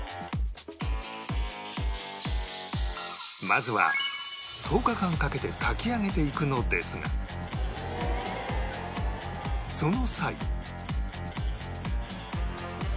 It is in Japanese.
まずは１０日間かけて炊きあげていくのですがその際